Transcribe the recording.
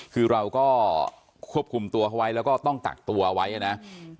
คือเราก็ควบคุมตัวไว้แล้วก็ต้องตักตัวไว้อ่ะนะอืม